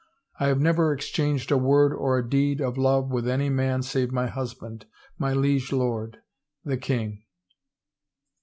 ... I have never exchanged a word or a deed of love with, any man save my husband, my liege lord, the king."